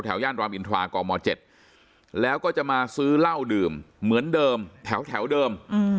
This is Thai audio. ย่านรามอินทรากม๗แล้วก็จะมาซื้อเหล้าดื่มเหมือนเดิมแถวเดิม